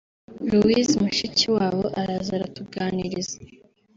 Louise Mushikiwabo araza aratuganiriza